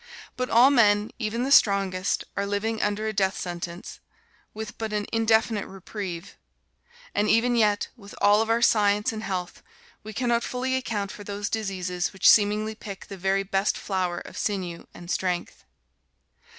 But all men, even the strongest, are living under a death sentence, with but an indefinite reprieve. And even yet, with all of our science and health, we can not fully account for those diseases which seemingly pick the very best flower of sinew and strength.